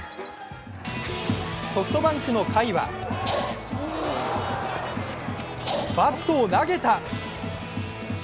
ソフトバンクの甲斐はバットを投げた！